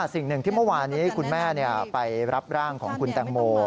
สิ่งหนึ่งที่เมื่อวานี้คุณแม่ไปรับร่างของคุณแตงโม